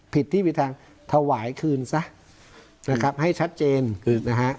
ผิดที่ผิดทางถวายคืนซะนะครับให้ชัดเจนนะฮะ